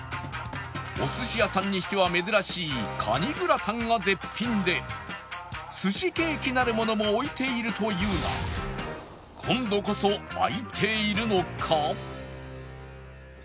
お寿司屋さんにしては珍しいカニグラタンが絶品で寿司ケーキなるものも置いているというが今度こそ開いているのか？